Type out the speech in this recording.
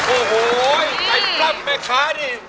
โอ้โหไอ้ปั้นแม่ค้านี่